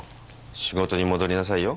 仕事に戻りなさいよ。